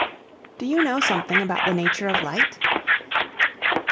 Do you know something about the nature of Light?